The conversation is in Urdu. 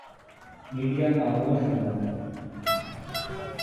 میڈیا خاموش ہونا